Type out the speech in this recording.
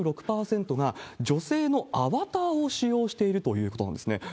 ７６％が女性のアバターを使用しているということなんですね。